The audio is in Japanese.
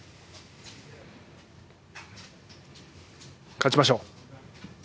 勝ちましょう。